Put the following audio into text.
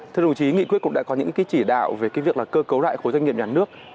thưa đồng chí nghị quyết cũng đã có những cái chỉ đạo về cái việc là cơ cấu lại khối doanh nghiệp nhà nước